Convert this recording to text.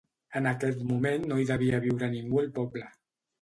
En aquest moment no hi devia viure ningú al poble.